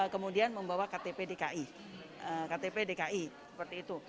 kemudian membawa ktp dki ktp dki seperti itu